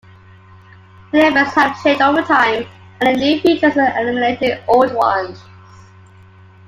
Many events have changed over time, adding new features and eliminating old ones.